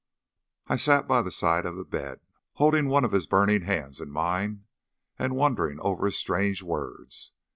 I sat by the side of the bed, holding one of his burning hands in mine, and wondering over his strange words.